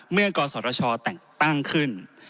เมื่อกศตั้งขึ้น